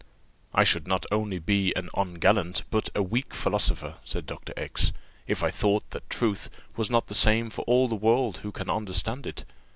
"I should not only be an ungallant but a weak philosopher," said Dr. X , "if I thought that truth was not the same for all the world who can understand it.